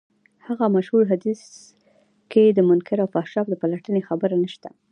هغه مشهور حديث کې د منکر او فحشا د پلټنې خبره نشته.